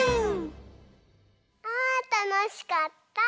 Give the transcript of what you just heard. あたのしかった！